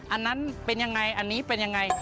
อันนั้นเป็นยังไงอันนี้เป็นยังไง